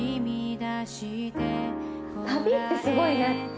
旅ってすごいねって。